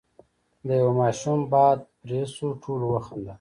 ، د يوه ماشوم باد پرې شو، ټولو وخندل،